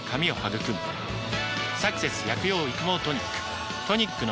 「サクセス薬用育毛トニック」